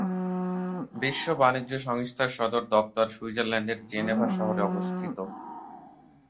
বিশ্ব বাণিজ্য সংস্থার সদর দপ্তর সুইজারল্যান্ডের জেনেভা শহরে অবস্থিত।